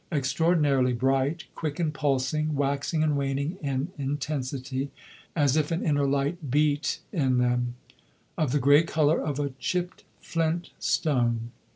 Extraordinarily bright, quick and pulsing, waxing and waning in intensity (as if an inner light beat in them), of the grey colour of a chipped flint stone.